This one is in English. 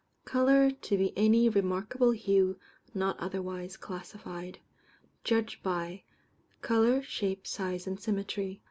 _ Colour to be any remarkable hue not otherwise classified. Judged by: Colour, shape, size, and symmetry.